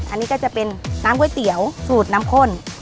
อันนี้ก็จะเป็นน้ำก๋วยเตี๋ยวสูตรน้ำข้น